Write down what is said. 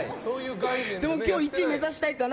でも今日１位目指したいかな。